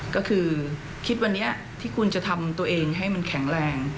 ก็คือคิดวันนี้ที่คุณจะทำตัวเองให้มันแข็งแรง